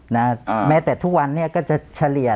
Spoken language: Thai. แม้แต่ทุกวันนี้ก็จะเฉลี่ย